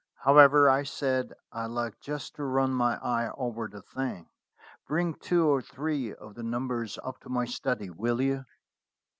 "However, I said I'd like just to run my eye over the thing. Bring two or three of the numbers up to my study, will you?"